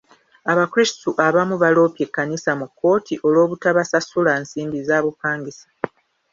Abakrisitu abamu baloopye ekkanisa mu kkooti olw'obutabasasula nsimbi za bupangisa.